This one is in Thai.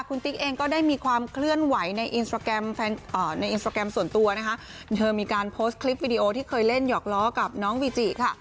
คุณติ๊กเองก็ได้มีความเคลื่อนไหวในอินสตราแกรมในอินสตราแกรมส่วนตัวนะคะเธอมีการโพสต์คลิปวิดีโอที่เคยเล่นหยอกล้อกับน้องวีจิค่ะ